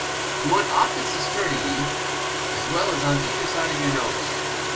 Ye want optics astern of ye, as well as on either side of your nose.